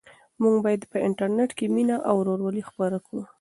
موږ باید په انټرنيټ کې مینه او ورورولي خپره کړو.